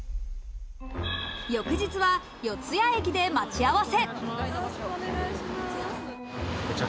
翌日は四ツ谷駅で待ち合わせ。